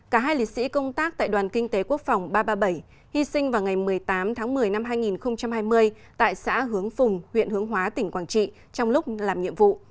cả hai liệt sĩ công tác tại đoàn kinh tế quốc phòng ba trăm ba mươi bảy hy sinh vào ngày một mươi tám tháng một mươi năm hai nghìn hai mươi tại xã hướng phùng huyện hướng hóa tỉnh quảng trị trong lúc làm nhiệm vụ